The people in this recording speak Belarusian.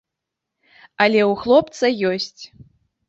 Але ў хлопца ёсць.